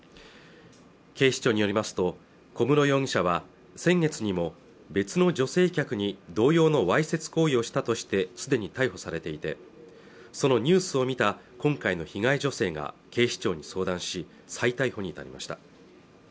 警視庁によりますと小室容疑者は先月にも別の女性客に同様のわいせつ行為をしたとして既に逮捕されていてそのニュースを見た今回の被害女性が警視庁に相談し再逮捕になりました